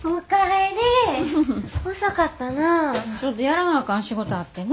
ちょっとやらなあかん仕事あってな。